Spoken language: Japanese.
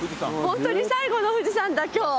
ホントに最後の富士山だ今日。